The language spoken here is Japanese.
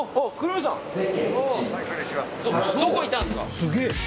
すげえ！